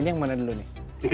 ini yang mana dulu nih